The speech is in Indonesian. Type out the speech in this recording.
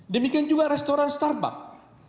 demikian juga restoran starbucks